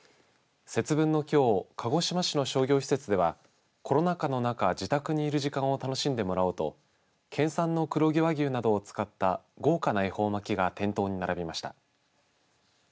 節分のきょう鹿児島市の商業施設ではコロナ禍の中、自宅にいる時間を楽しんでもらおうと県産の黒毛和牛などを使った豪華な恵方巻きが店頭に並びました。